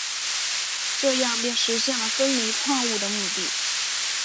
这样便实现了分离矿物的目的。